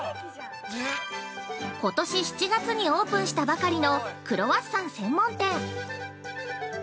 ◆今年７月にオープンしたばかりのクロワッサン専門店。